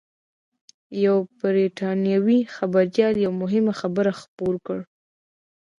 یوه بریټانوي خبریال یو مهم خبر خپور کړ